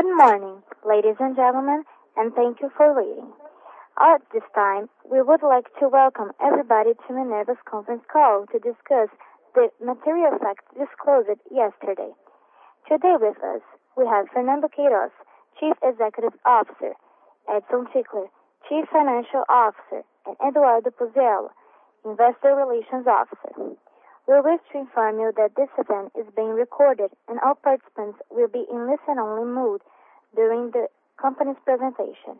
Good morning, ladies and gentlemen. Thank you for waiting. At this time, we would like to welcome everybody to Minerva's conference call to discuss the material facts disclosed yesterday. Today with us, we have Fernando Queiroz, Chief Executive Officer, Edison Ticle, Chief Financial Officer, and Eduardo Puzziello, Investor Relations Officer. We wish to inform you that this event is being recorded, and all participants will be in listen-only mode during the company's presentation.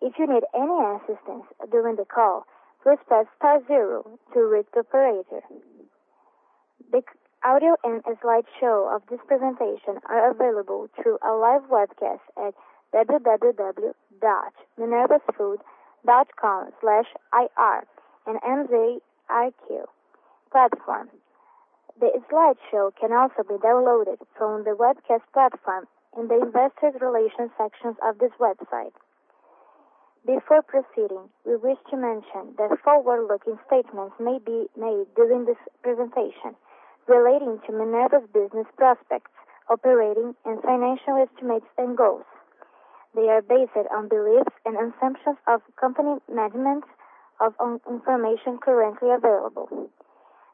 If you need any assistance during the call, please press star zero to reach the operator. The audio and a slideshow of this presentation are available through a live webcast at www.minervafoods.com/ir and MZiQ platform. The slideshow can also be downloaded from the webcast platform in the investor relations sections of this website. Before proceeding, we wish to mention that forward-looking statements may be made during this presentation relating to Minerva's business prospects, operating and financial estimates and goals. They are based on beliefs and assumptions of company management of information currently available.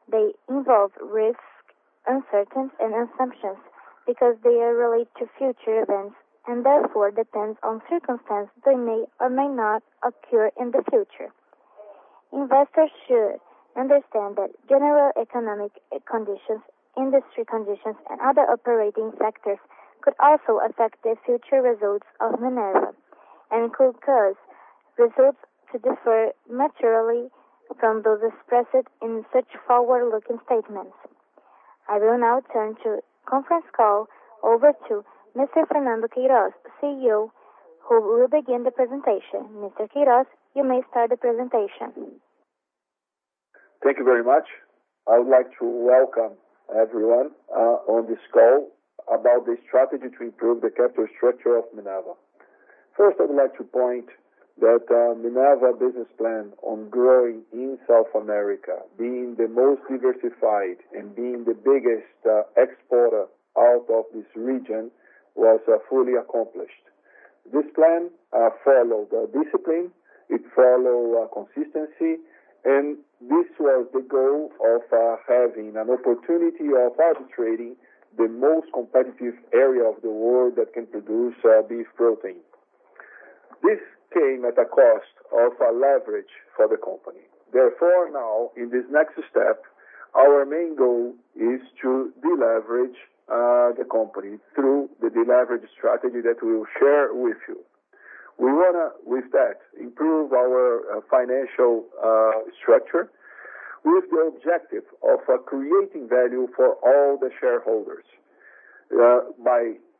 They involve risk, uncertainties, and assumptions because they are related to future events and therefore depend on circumstances that may or may not occur in the future. Investors should understand that general economic conditions, industry conditions, and other operating factors could also affect the future results of Minerva and could cause results to differ materially from those expressed in such forward-looking statements. I will now turn the conference call over to Mr. Fernando Queiroz, CEO, who will begin the presentation. Mr. Queiroz, you may start the presentation. Thank you very much. I would like to welcome everyone on this call about the strategy to improve the capital structure of Minerva. First, I would like to point that Minerva business plan on growing in South America, being the most diversified and being the biggest exporter out of this region, was fully accomplished. This plan followed discipline, it followed consistency, and this was the goal of having an opportunity of participating the most competitive area of the world that can produce beef protein. This came at a cost of a leverage for the company. Therefore, now in this next step, our main goal is to deleverage the company through the deleverage strategy that we will share with you. We want to, with that, improve our financial structure with the objective of creating value for all the shareholders,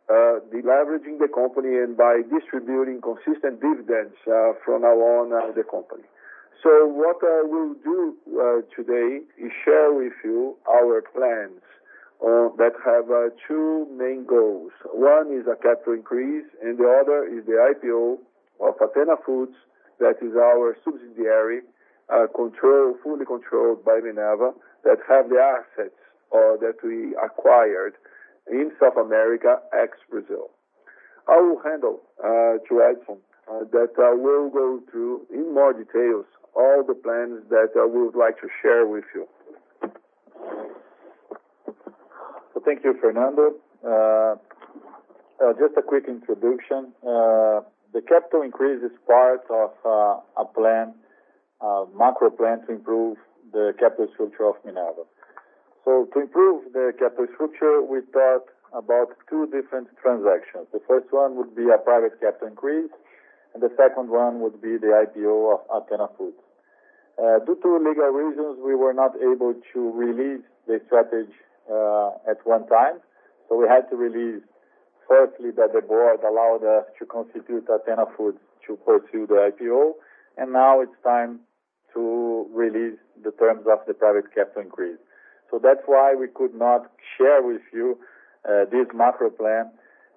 by deleveraging the company and by distributing consistent dividends from now on as a company. What I will do today is share with you our plans that have two main goals. One is a capital increase, and the other is the IPO of Athena Foods. That is our subsidiary, fully controlled by Minerva, that have the assets that we acquired in South America, ex-Brazil. I will hand over to Edison that will go through in more details all the plans that I would like to share with you. Thank you, Fernando. Just a quick introduction. The capital increase is part of a macro plan to improve the capital structure of Minerva. To improve the capital structure, we thought about two different transactions. The first one would be a private capital increase, and the second one would be the IPO of Athena Foods. Due to legal reasons, we were not able to release the strategy at one time. We had to release firstly that the board allowed us to constitute Athena Foods to pursue the IPO, and now it's time to release the terms of the private capital increase. That's why we could not share with you this macro plan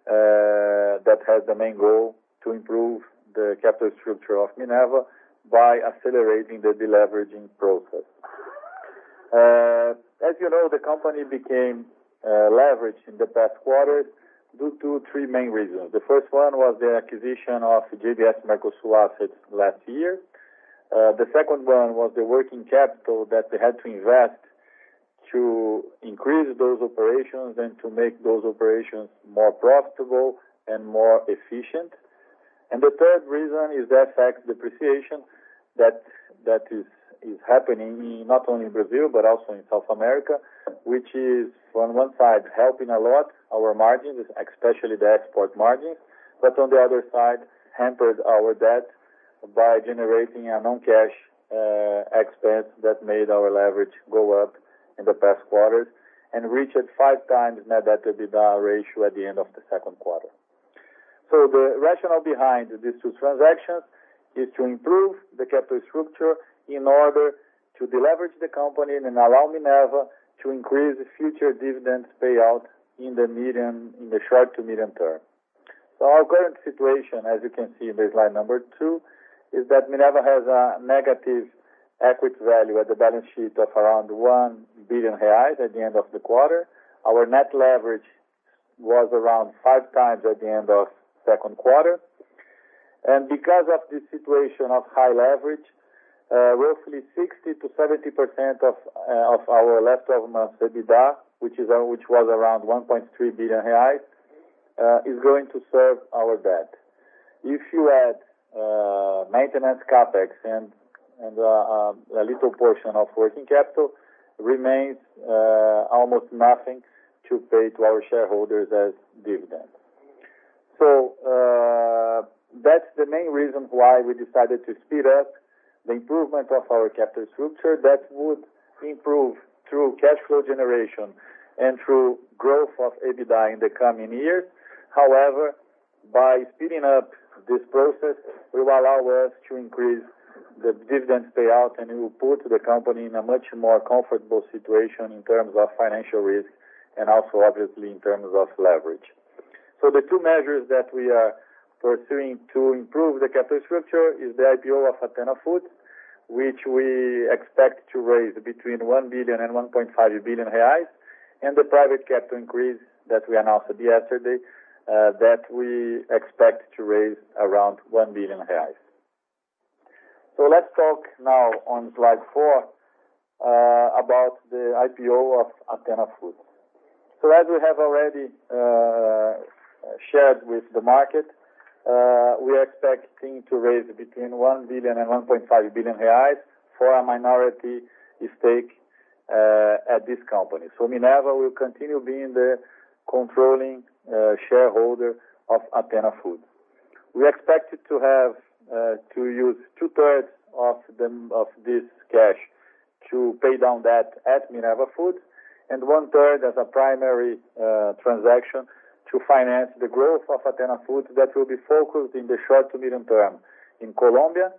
that has the main goal to improve the capital structure of Minerva by accelerating the deleveraging process. As you know, the company became leveraged in the past quarters due to three main reasons. The first one was the acquisition of JBS Mercosul assets last year. The second one was the working capital that we had to invest to increase those operations and to make those operations more profitable and more efficient. The third reason is the FX depreciation that is happening not only in Brazil but also in South America, which is, on one side, helping a lot our margins, especially the export margins, but on the other side, hampered our debt by generating a non-cash expense that made our leverage go up in the past quarters and reached 5 times net debt to EBITDA ratio at the end of the second quarter. The rationale behind these two transactions is to improve the capital structure in order to deleverage the company and allow Minerva to increase the future dividends payout in the short to medium term. Our current situation, as you can see in the slide number two, is that Minerva has a negative equity value at the balance sheet of around 1 billion reais at the end of the quarter. Our net leverage was around 5 times at the end of second quarter. Because of this situation of high leverage, roughly 60%-70% of our last 12 months EBITDA, which was around 1.3 billion reais, is going to serve our debt. If you add maintenance CapEx and a little portion of working capital, remains almost nothing to pay to our shareholders as dividend. That's the main reason why we decided to speed up the improvement of our capital structure that would improve through cash flow generation and through growth of EBITDA in the coming years. However, by speeding up this process, will allow us to increase the dividend payout, and it will put the company in a much more comfortable situation in terms of financial risk, and also, obviously, in terms of leverage. The two measures that we are pursuing to improve the capital structure is the IPO of Athena Foods, which we expect to raise between 1 billion and 1.5 billion reais, and the private capital increase that we announced yesterday, that we expect to raise around 1 billion reais. Let's talk now on slide four, about the IPO of Athena Foods. As we have already shared with the market, we are expecting to raise between 1 billion and 1.5 billion reais for a minority stake at this company. Minerva will continue being the controlling shareholder of Athena Foods. We expect to use two-thirds of this cash to pay down debt at Minerva Foods, and one-third as a primary transaction to finance the growth of Athena Foods that will be focused in the short to medium term. In Colombia,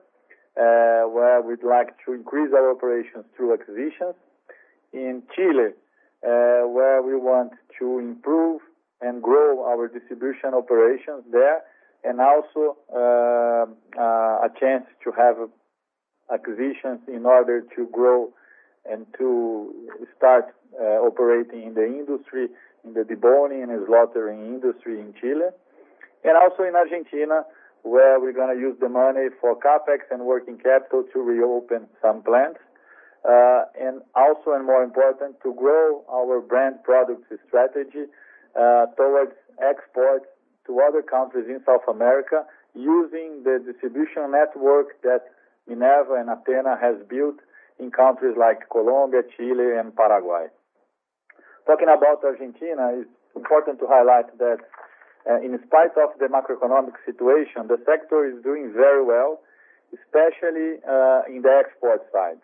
where we'd like to increase our operations through acquisitions. In Chile, where we want to improve and grow our distribution operations there, also, a chance to have acquisitions in order to grow and to start operating in the industry, in the deboning and slaughtering industry in Chile. Also in Argentina, where we're going to use the money for CapEx and working capital to reopen some plants. Also, and more important, to grow our brand products strategy towards exports to other countries in South America, using the distribution network that Minerva and Athena has built in countries like Colombia, Chile, and Paraguay. Talking about Argentina, it's important to highlight that in spite of the macroeconomic situation, the sector is doing very well, especially in the export side.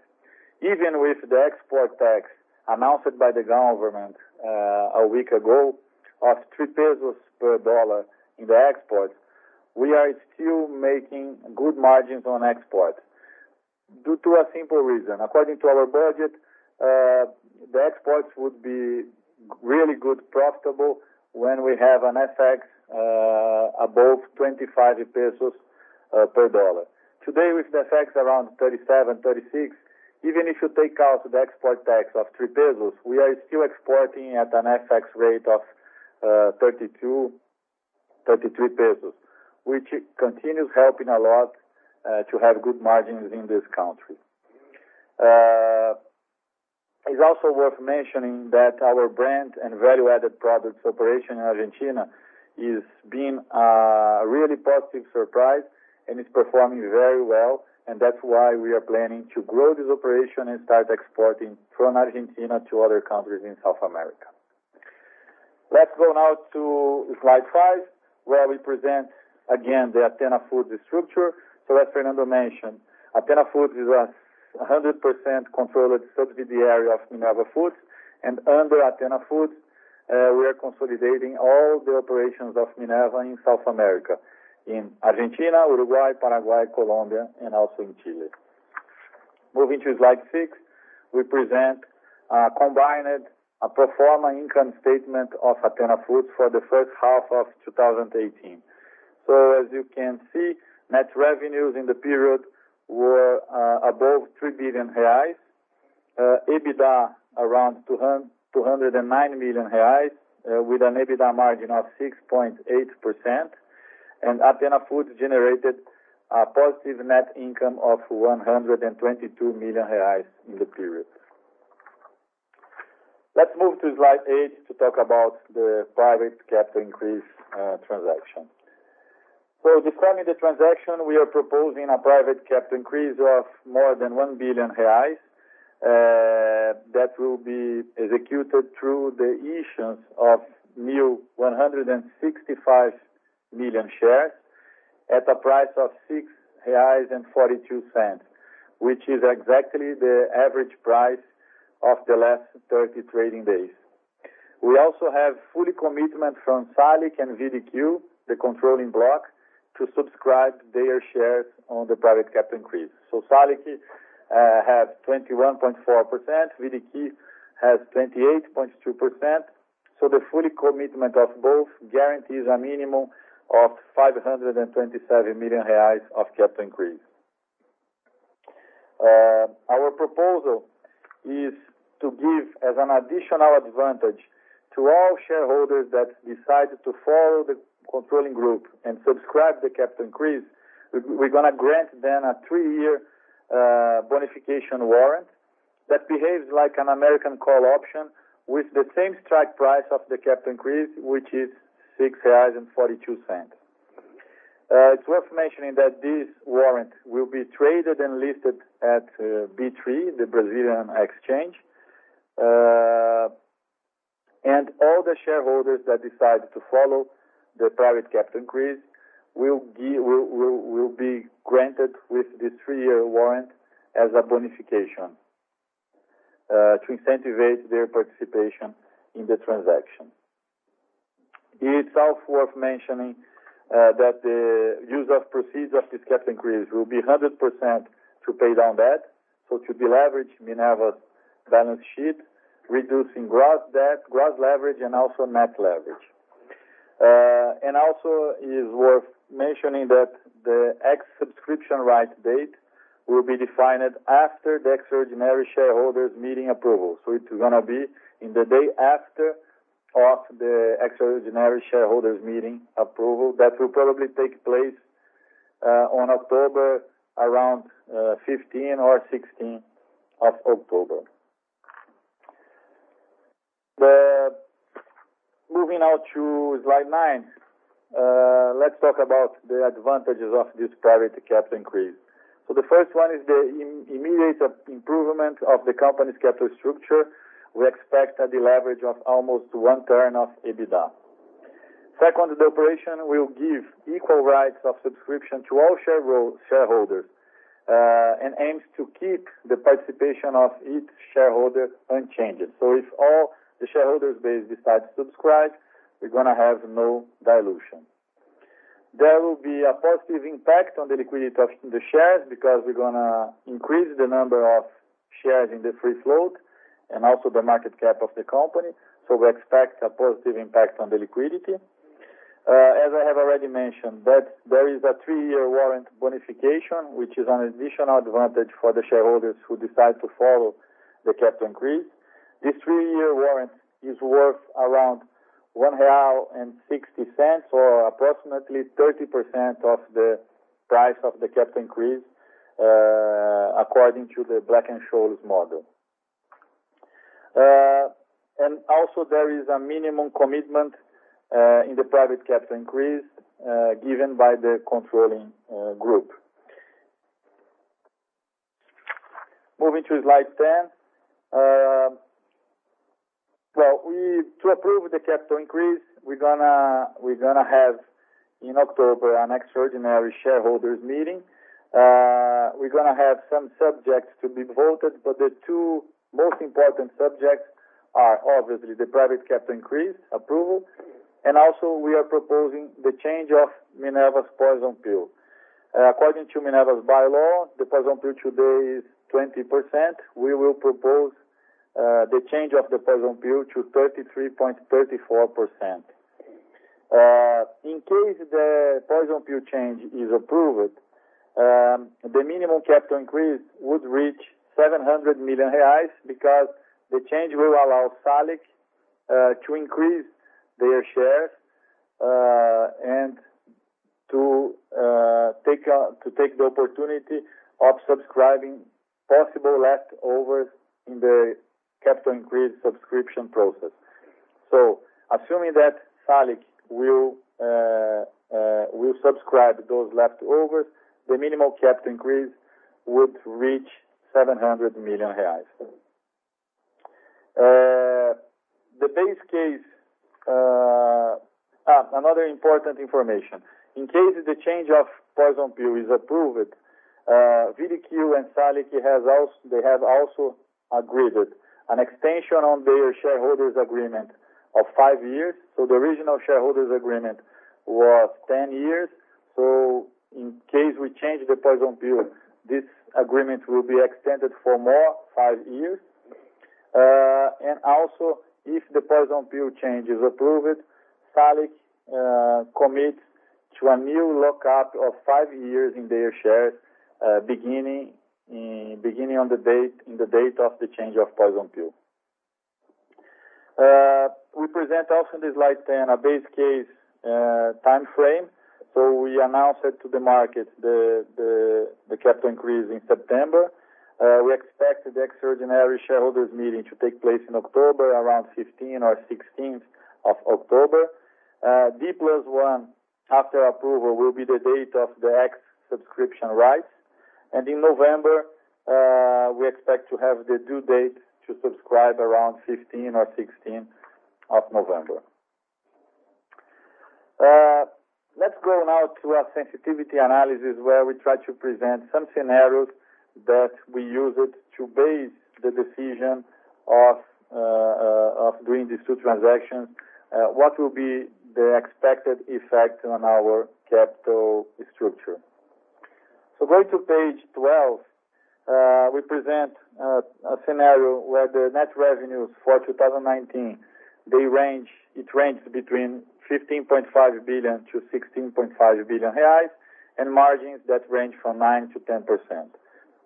Even with the export tax announced by the government a week ago of 3 pesos per USD in the export, we are still making good margins on export, due to a simple reason. According to our budget, the exports would be really good profitable when we have an FX above 25 pesos per USD. Today, with the FX around 37, 36, even if you take out the export tax of 3 pesos, we are still exporting at an FX rate of 32, 33 pesos, which continues helping a lot to have good margins in this country. It's also worth mentioning that our brand and value-added products operation in Argentina is being a really positive surprise, and it's performing very well, and that's why we are planning to grow this operation and start exporting from Argentina to other countries in South America. Let's go now to slide five, where we present again the Athena Foods structure. As Fernando mentioned, Athena Foods is a 100% controlled subsidiary of Minerva Foods. Under Athena Foods, we are consolidating all the operations of Minerva in South America, in Argentina, Uruguay, Paraguay, Colombia, and also in Chile. Moving to slide six, we present a combined, a pro forma income statement of Athena Foods for the first half of 2018. As you can see, net revenues in the period were above 3 billion reais. EBITDA around 209 million reais, with an EBITDA margin of 6.8%. Athena Foods generated a positive net income of 122 million reais in the period. Let's move to slide eight to talk about the private capital increase transaction. Describing the transaction, we are proposing a private capital increase of more than 1 billion reais, that will be executed through the issuance of new 165 million shares at a price of 6.42 reais, which is exactly the average price of the last 30 trading days. We also have full commitment from SALIC and VDQ, the controlling block, to subscribe their shares on the private capital increase. SALIC has 21.4%, VDQ has 28.2%. The full commitment of both guarantees a minimum of 527 million reais of capital increase. Our proposal is to give as an additional advantage to all shareholders that decide to follow the controlling group and subscribe the capital increase, we are going to grant them a three-year bonification warrant that behaves like an American call option with the same strike price of the capital increase, which is 6.42 reais. It is worth mentioning that this warrant will be traded and listed at B3, the Brazilian exchange. All the shareholders that decide to follow the private capital increase will be granted with this three-year warrant as a bonification to incentivize their participation in the transaction. It is also worth mentioning that the use of proceeds of this capital increase will be 100% to pay down debt. To deleverage Minerva's balance sheet, reducing gross debt, gross leverage, and also net leverage. Also, it is worth mentioning that the ex-subscription rights date will be defined after the extraordinary shareholders meeting approval. It is going to be on the day after the extraordinary shareholders meeting approval, that will probably take place on October, around 15 or 16th of October. Moving now to slide nine. Let us talk about the advantages of this private capital increase. The first one is the immediate improvement of the company's capital structure. We expect a deleverage of almost one turn of EBITDA. Second, the operation will give equal rights of subscription to all shareholders and aims to keep the participation of each shareholder unchanged. If all the shareholders base decide to subscribe, we are going to have no dilution. There will be a positive impact on the liquidity of the shares because we are going to increase the number of shares in the free float and also the market cap of the company. We expect a positive impact on the liquidity. As I have already mentioned, that there is a three-year warrant bonification, which is an additional advantage for the shareholders who decide to follow the capital increase. This three-year warrant is worth around 1.60 real, or approximately 30% of the price of the capital increase, according to the Black-Scholes model. Also there is a minimum commitment in the private capital increase given by the controlling group. Moving to slide 10. Well, to approve the capital increase, we are going to have in October an extraordinary shareholders meeting. We are going to have some subjects to be voted, but the two most important subjects are obviously the private capital increase approval, and also we are proposing the change of Minerva's poison pill. According to Minerva's bylaw, the poison pill today is 20%. We will propose the change of the poison pill to 33.34%. In case the poison pill change is approved, the minimum capital increase would reach 700 million reais because the change will allow SALIC to increase their shares and to take the opportunity of subscribing possible leftovers in the capital increase subscription process. Assuming that SALIC will subscribe those leftovers, the minimum capital increase would reach 700 million reais. Another important information. In case the change of poison pill is approved, VDQ and SALIC, they have also agreed on an extension on their shareholders' agreement of five years. The original shareholders' agreement was 10 years. In case we change the poison pill, this agreement will be extended for more 5 years. Also, if the poison pill change is approved, SALIC commits to a new lock-up of 5 years in their shares, beginning on the date of the change of poison pill. We present also in slide 10 a base case timeframe. We announced it to the market, the capital increase in September. We expect the extraordinary shareholders meeting to take place in October, around 15th or 16th of October. D plus one after approval will be the date of the ex-subscription rights. In November, we expect to have the due date to subscribe around 15th or 16th of November. Let's go now to our sensitivity analysis, where we try to present some scenarios that we used to base the decision of doing these two transactions. What will be the expected effect on our capital structure? Going to page 12, we present a scenario where the net revenues for 2019 range between 15.5 billion-16.5 billion reais, and margins that range from 9%-10%.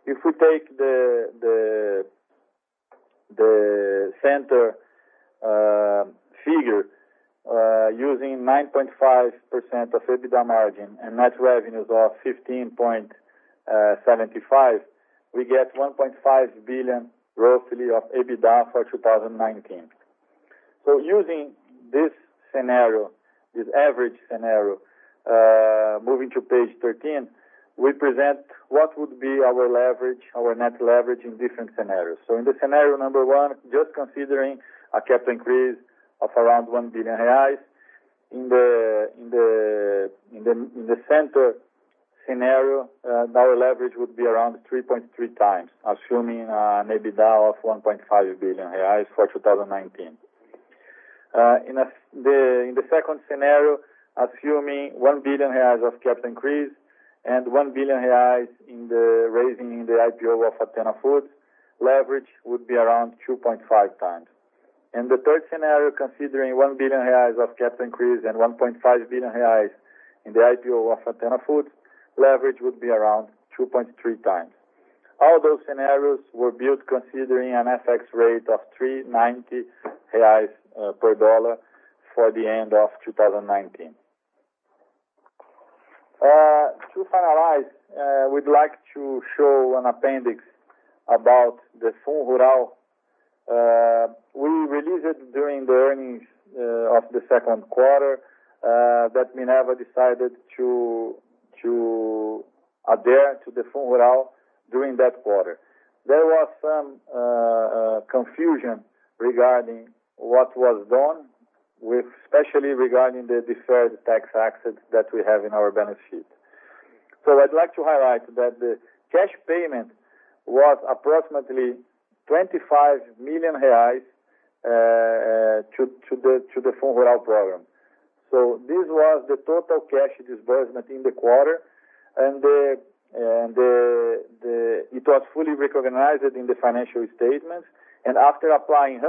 If we take the center figure, using 9.5% of EBITDA margin and net revenues of 15.75 billion, we get 1.5 billion roughly of EBITDA for 2019. Using this average scenario, moving to page 13, we present what would be our net leverage in different scenarios. In the scenario number 1, just considering a capital increase of around 1 billion reais. In the center scenario, our leverage would be around 3.3 times, assuming an EBITDA of 1.5 billion reais for 2019. In the second scenario, assuming 1 billion reais of capital increase and 1 billion reais in the raising in the IPO of Athena Foods, leverage would be around 2.5 times. In the third scenario, considering 1 billion reais of capital increase and 1.5 billion reais in the IPO of Athena Foods, leverage would be around 2.3 times. All those scenarios were built considering an FX rate of 3.90 reais per dollar for the end of 2019. To finalize, we'd like to show an appendix about the Funrural. We released it during the earnings of the second quarter, that Minerva decided to adhere to the Funrural during that quarter. There was some confusion regarding what was done, especially regarding the deferred tax assets that we have in our benefit. I'd like to highlight that the cash payment was approximately 25 million reais to the Funrural program. This was the total cash disbursement in the quarter, and it was fully recognized in the financial statements. After applying 100%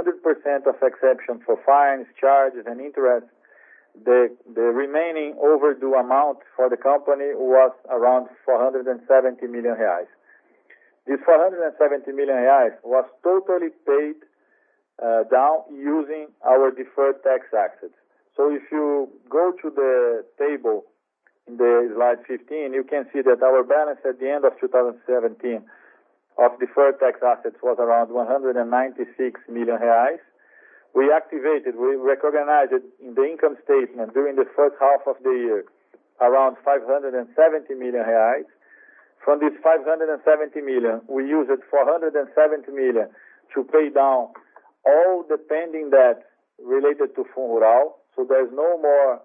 of exemption for fines, charges, and interest, the remaining overdue amount for the company was around 470 million reais. This 470 million reais was totally paid down using our deferred tax assets. If you go to the table in slide 15, you can see that our balance at the end of 2017 of deferred tax assets was around 196 million reais. We activated, we recognized in the income statement during the first half of the year, around 570 million reais. From this 570 million, we used 470 million to pay down all the pending debt related to Funrural, so there's no more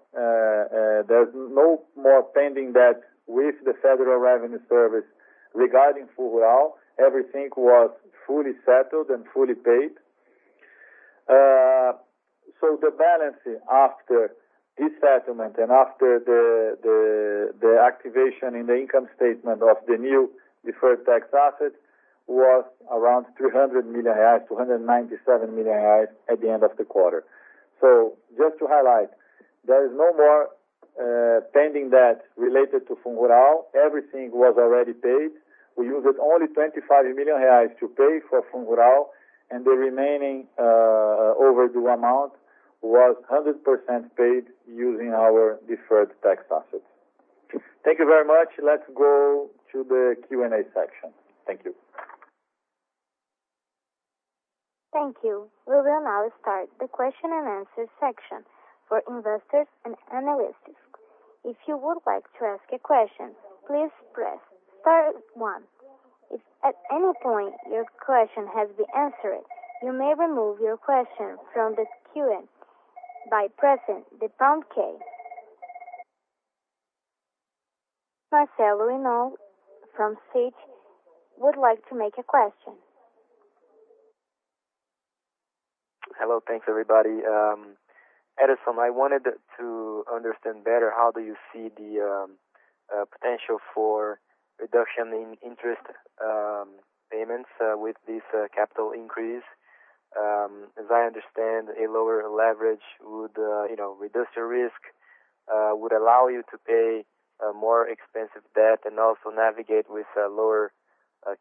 pending debt with the Federal Revenue Service regarding Funrural. Everything was fully settled and fully paid. The balance after this settlement and after the activation in the income statement of the new deferred tax asset was around 300 million reais, 297 million reais at the end of the quarter. Just to highlight, there is no more pending debt related to Funrural. Everything was already paid. We used only 25 million reais to pay for Funrural, and the remaining overdue amount was 100% paid using our deferred tax assets. Thank you very much. Let's go to the Q&A section. Thank you. Thank you. We will now start the question and answer section for investors and analysts. If you would like to ask a question, please press star one. If at any point your question has been answered, you may remove your question from the queue by pressing the pound key. Marcelo Inoue from Citi would like to make a question. Hello. Thanks, everybody. Edison, I wanted to understand better how do you see the potential for reduction in interest payments with this capital increase? As I understand, a lower leverage would reduce your risk, would allow you to pay more expensive debt and also navigate with a lower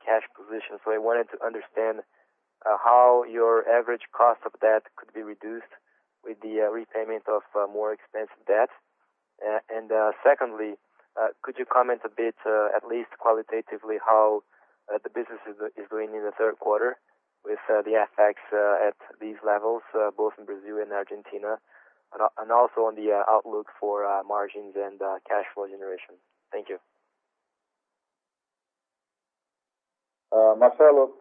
cash position. I wanted to understand how your average cost of debt could be reduced with the repayment of more expensive debt. Secondly, could you comment a bit, at least qualitatively, how the business is doing in the third quarter with the FX at these levels, both in Brazil and Argentina? Also on the outlook for margins and cash flow generation. Thank you. Marcelo,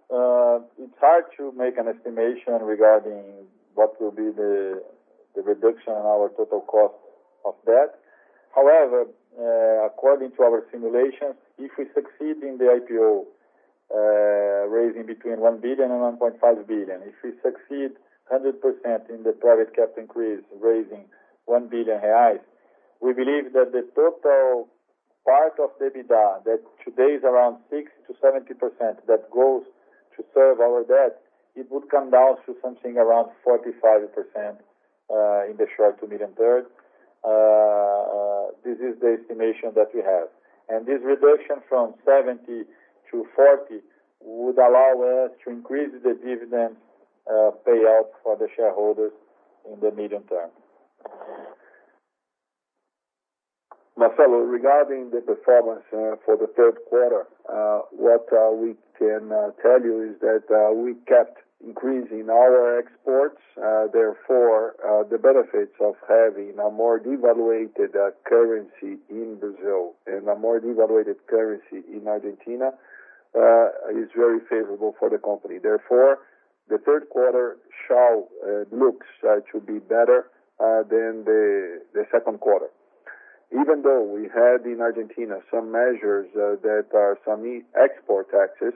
it's hard to make an estimation regarding what will be the reduction in our total cost of debt. However, according to our simulations, if we succeed in the IPO Raising between 1 billion and 1.5 billion. If we succeed 100% in the private capital increase, raising 1 billion reais, we believe that the total part of the EBITDA, that today is around 6%-70%, that goes to serve our debt, it would come down to something around 45%, in the short to medium term. This is the estimation that we have. This reduction from 70%-40% would allow us to increase the dividend payout for the shareholders in the medium term. Marcelo, regarding the performance for the third quarter, what we can tell you is that we kept increasing our exports. The benefits of having a more devaluated currency in Brazil and a more devaluated currency in Argentina is very favorable for the company. The third quarter looks to be better than the second quarter. Even though we had in Argentina some measures that are some export taxes,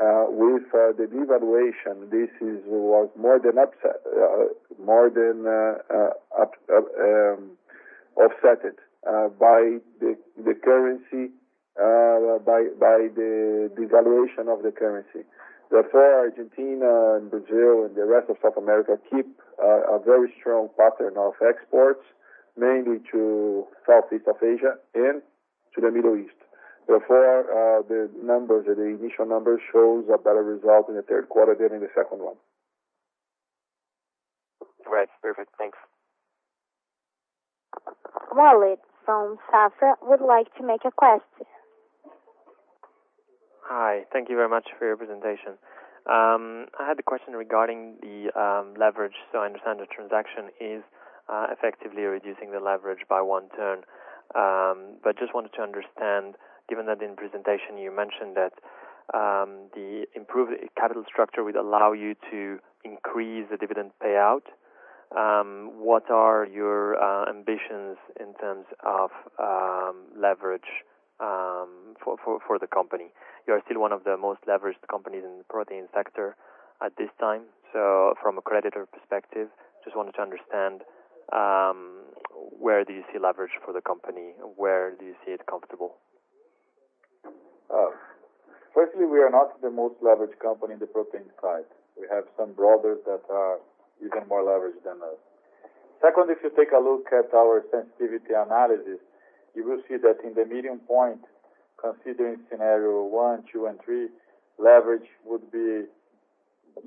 with the devaluation, this was more than offset by the devaluation of the currency. Argentina and Brazil and the rest of South America keep a very strong pattern of exports, mainly to Southeast of Asia and to the Middle East. The initial numbers shows a better result in the third quarter than in the second one. Right. Perfect. Thanks. Wallace from Safra would like to make a question. Hi. Thank you very much for your presentation. I had a question regarding the leverage. I understand the transaction is effectively reducing the leverage by 1 turn. Just wanted to understand, given that in presentation you mentioned that the improved capital structure would allow you to increase the dividend payout, what are your ambitions in terms of leverage for the company? You are still one of the most leveraged companies in the protein sector at this time. From a creditor perspective, just wanted to understand, where do you see leverage for the company? Where do you see it comfortable? Firstly, we are not the most leveraged company in the protein side. We have some brothers that are even more leveraged than us. Second, if you take a look at our sensitivity analysis, you will see that in the medium point, considering scenario one, two, and three, leverage would be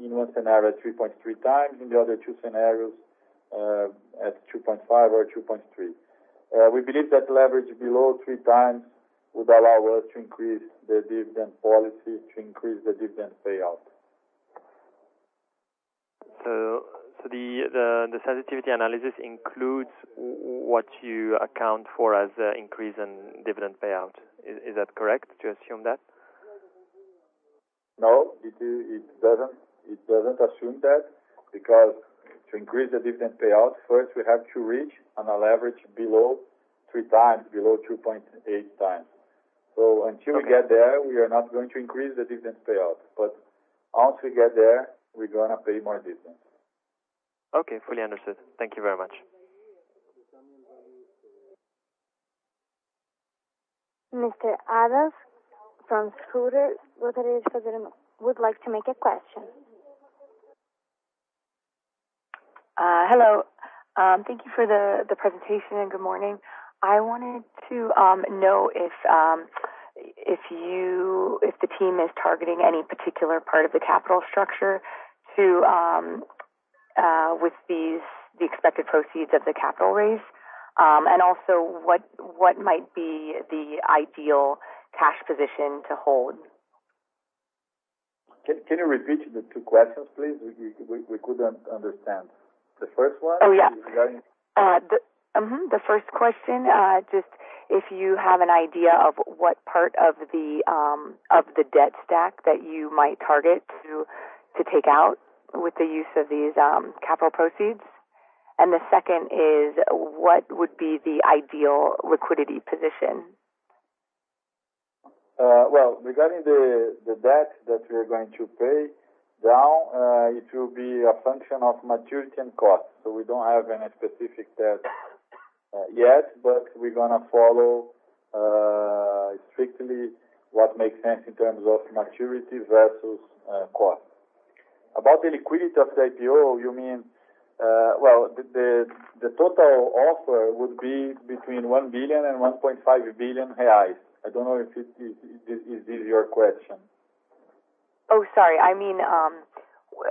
in one scenario 3.3x, in the other two scenarios, at 2.5x or 2.3x. We believe that leverage below 3x would allow us to increase the dividend policy to increase the dividend payout. The sensitivity analysis includes what you account for as an increase in dividend payout. Is that correct to assume that? No, it doesn't assume that because to increase the dividend payout, first we have to reach on a leverage below 3x, below 2.8x. Until we get there, we are not going to increase the dividend payout, but once we get there, we're going to pay more dividends. Okay, fully understood. Thank you very much. Mr. Adams from Schroders would like to make a question. Hello. Thank you for the presentation. Good morning. I wanted to know if the team is targeting any particular part of the capital structure with the expected proceeds of the capital raise. Also what might be the ideal cash position to hold. Can you repeat the two questions, please? We couldn't understand. The first one is regarding- Oh, yeah. Mm-hmm. The first question, just if you have an idea of what part of the debt stack that you might target to take out with the use of these capital proceeds. The second is what would be the ideal liquidity position? Well, regarding the debt that we are going to pay down, it will be a function of maturity and cost. We don't have any specific debt yet, but we're going to follow strictly what makes sense in terms of maturity versus cost. About the liquidity of the IPO, you mean Well, the total offer would be between 1 billion and 1.5 billion reais. I don't know if this is your question. Oh, sorry. I mean,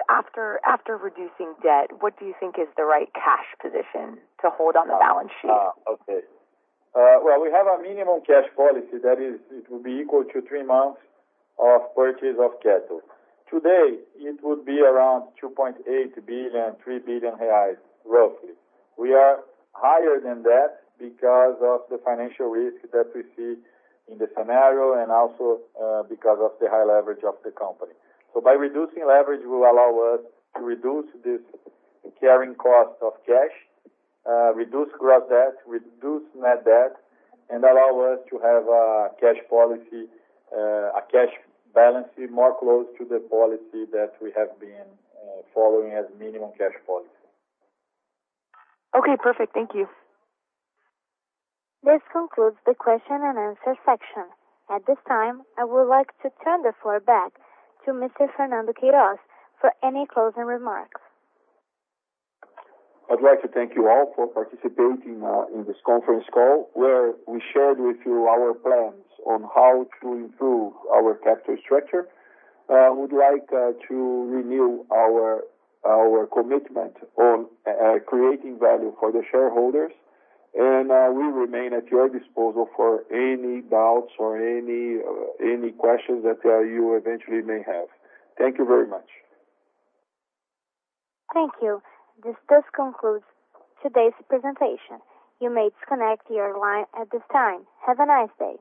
after reducing debt, what do you think is the right cash position to hold on the balance sheet? Okay. Well, we have a minimum cash policy that is, it will be equal to three months of purchase of cattle. Today, it would be around 2.8 billion, 3 billion reais, roughly. We are higher than that because of the financial risk that we see in the scenario and also, because of the high leverage of the company. By reducing leverage will allow us to reduce this carrying cost of cash, reduce gross debt, reduce net debt, and allow us to have a cash policy, a cash balance more close to the policy that we have been following as minimum cash policy. Okay, perfect. Thank you. This concludes the question and answer section. At this time, I would like to turn the floor back to Mr. Fernando Queiroz for any closing remarks. I'd like to thank you all for participating in this conference call where we shared with you our plans on how to improve our capital structure. I would like to renew our commitment on creating value for the shareholders, and we remain at your disposal for any doubts or any questions that you eventually may have. Thank you very much. Thank you. This does conclude today's presentation. You may disconnect your line at this time. Have a nice day.